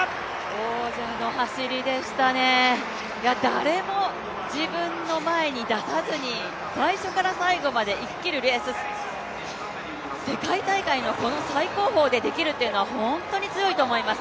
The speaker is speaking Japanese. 王者の走りでしたね、誰も自分の前に出さずに最初から最後までいききるレース、世界大会のこの最高峰でできるというのは本当に強いと思います。